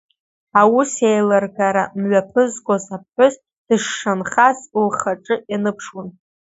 Аус еилыргара мҩаԥызгоз аԥҳәыс дышшанхаз лхаҿы ианыԥшуан.